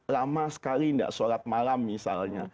lama sekali tidak sholat malam misalnya